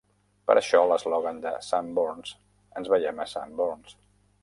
Per això l'eslògan de Sanborns "Ens veim a Sanborns".